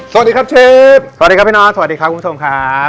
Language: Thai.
สวัสดีครับพี่น้องสวัสดีครับคุณผู้ชมครับ